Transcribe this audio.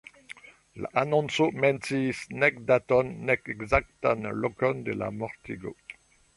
La anonco menciis nek daton, nek ekzaktan lokon de la mortigo.